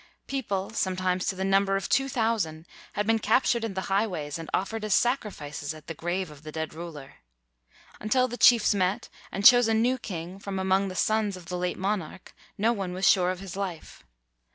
People, some times to the number of two thousand, had been captured in the highways and offered as sacrifices at the grave of the dead ruler. Until the chiefs met and chose a new king from among the sons of the late monarch, no one was sure of his life.